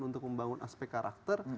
untuk membangun aspek karakter